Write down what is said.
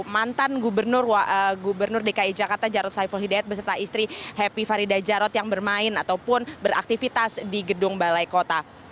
mantan gubernur dki jakarta jarod saiful hidayat beserta istri happy farida jarod yang bermain ataupun beraktivitas di gedung balai kota